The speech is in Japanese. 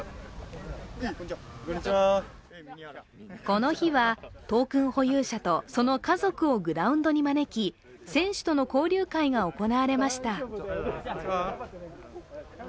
この日はトークン保有者とその家族をグラウンドに招き選手との交流会が行われました。